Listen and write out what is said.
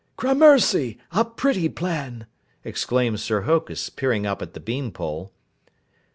"Grammercy, a pretty plan!" exclaimed Sir Hokus, peering up at the bean pole.